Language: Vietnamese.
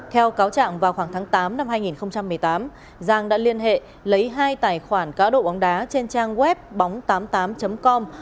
theo cáo trạng vào khoảng tháng tám năm hai nghìn một mươi tám giang đã liên hệ lấy hai tài khoản cá độ bóng đá trên trang web bóng tám mươi tám com